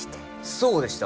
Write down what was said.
そうでした。